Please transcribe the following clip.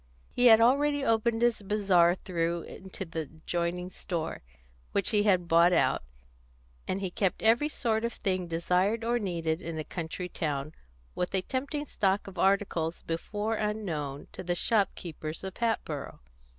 He had already opened his bazaar through into the adjoining store, which he had bought out, and he kept every sort of thing desired or needed in a country town, with a tempting stock of articles before unknown to the shopkeepers of Hatboro'.